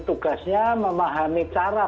tugasnya memahami cara